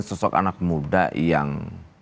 sosok anak muda yang